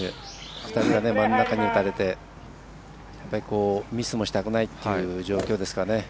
２人が真ん中に打たれてミスもしたくないっていう状況ですかね。